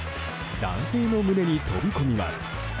男性の胸に飛び込みます。